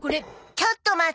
ちょっと待った。